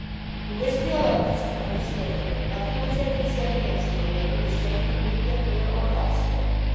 He wished the electors to understand that nothing which had been said against him made him ashamed to meet them here or elsewhere.